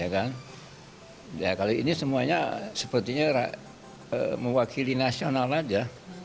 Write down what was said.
kalau ini semuanya sepertinya mewakili nasional saja